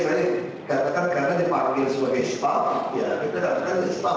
ya makanya saya karena dipanggil sebagai staf ya kita katakan staf